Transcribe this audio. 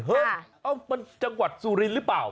เอ้ามันจังหวัดสุรินทร์หรือเปล่า